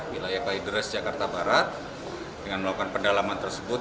wilayah kalideres jakarta barat dengan melakukan pendalaman tersebut